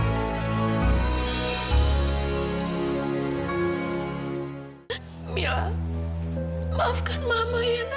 sampai jumpa di video selanjutnya